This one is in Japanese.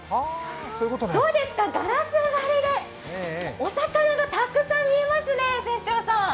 どうですか、ガラス張りでお魚がたくさん見えますね、船長さん。